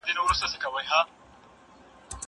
زه مخکي مکتب ته تللي وو!!